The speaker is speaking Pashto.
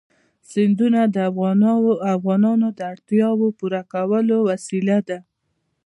سیندونه د افغانانو د اړتیاوو د پوره کولو وسیله ده.